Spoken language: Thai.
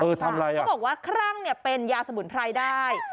เขาบอกว่าคร่างเนี่ยเป็นยาสมุนไพรได้